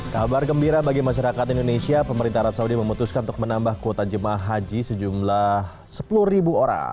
kabar gembira bagi masyarakat indonesia pemerintah arab saudi memutuskan untuk menambah kuota jemaah haji sejumlah sepuluh orang